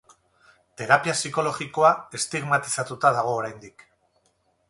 Terapia psikologikoa estigmatizatuta dago oraindik.